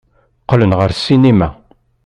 Qqlen ɣer ssinima.